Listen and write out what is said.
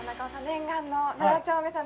念願の七鳥目さん